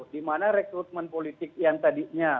di mana rekrutmen politik yang tadinya